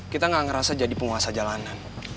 kita gak ngerasa jadi penguasa jalanan